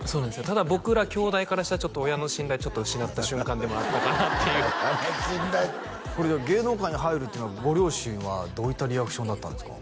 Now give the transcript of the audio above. ただ僕ら兄弟からしたらちょっと親の信頼ちょっと失った瞬間でもあったかなっていう芸能界に入るっていうのはご両親はどういったリアクションだったんですか？